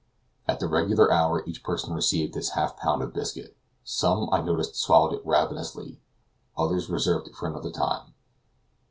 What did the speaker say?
At the regular hour each person received his half pound of biscuit. Some, I noticed, swallowed it ravenously; others reserved it for another time.